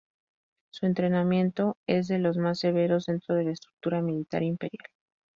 Su entrenamiento es de los más severos dentro de la estructura militar imperial.